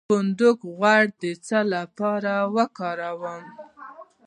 د فندق غوړي د څه لپاره وکاروم؟